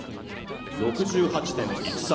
６８．１３。